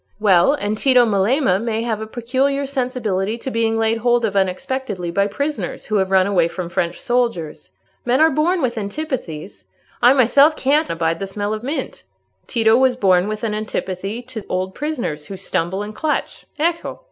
"Well, and Tito Melema may have a peculiar sensibility to being laid hold of unexpectedly by prisoners who have run away from French soldiers. Men are born with antipathies; I myself can't abide the smell of mint. Tito was born with an antipathy to old prisoners who stumble and clutch. Ecco!"